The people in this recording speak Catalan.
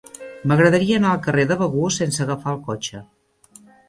M'agradaria anar al carrer de Begur sense agafar el cotxe.